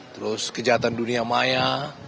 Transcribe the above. terus kejahatan dunia maya